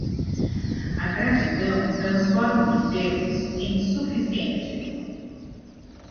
A gratidão transforma o que temos em suficiente.